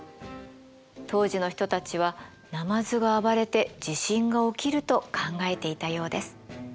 当時の人たちはナマズが暴れて地震が起きると考えていたようです。